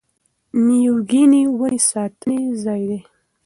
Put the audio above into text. نیو ګیني ونې ساتنې ځای دی.